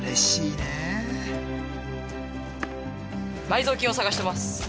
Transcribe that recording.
埋蔵金を探してます。